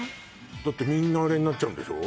だってみんなあれになっちゃうんでしょ？